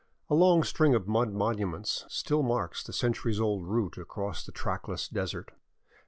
A long string of mud monuments still marks the centuries' old route across the track less desert.